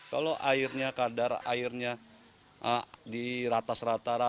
kalau airnya kadar airnya di ratas rata rata